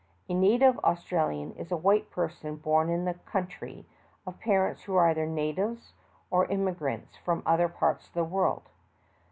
A "native" Australian is a white person born in the country, of parents who are either "natives" or emi grants from other parts of the world.